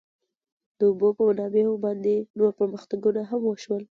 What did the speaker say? د اوبو په منابعو باندې نور پرمختګونه هم وشول.